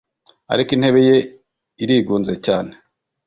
Ariko intebe ye irigunze cyane